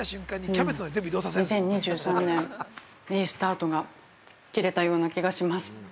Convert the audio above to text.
２０２３年、いいスタートが切れたような気がします。